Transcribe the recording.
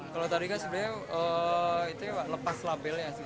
kalau tadi kan sebenarnya itu ya pak lepas labelnya